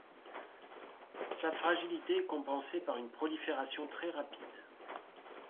Sa fragilité est compensée par une prolifération très rapide.